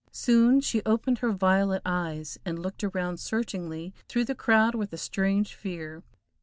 Soon she opened her violet eyes, and looked around searchingly through the crowd with a strange fear.